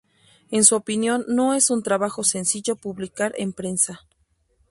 En su opinión no es un trabajo sencillo publicar en prensa.